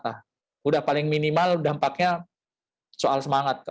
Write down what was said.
sudah paling minimal dampaknya soal semangat